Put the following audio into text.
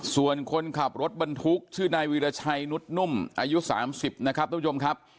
ส่วนคนขับรถบรรทุกชื่อนายวีรชัยนุทนุ่มอายุสามสิบนะครับมุฒยมครับ